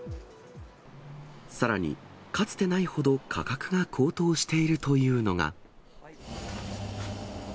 さらに、かつてないほど価格が高騰しているというのが。